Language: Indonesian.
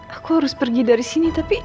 aku harus pergi dari sini tapi